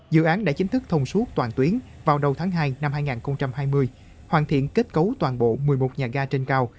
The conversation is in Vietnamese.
dự án đã chính thức thông suốt toàn tuyến vào đầu tháng hai năm hai nghìn hai mươi hoàn thiện kết cấu toàn bộ một mươi một nhà ga trên cao